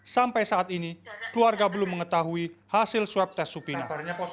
sampai saat ini keluarga belum mengetahui hasil swab test supina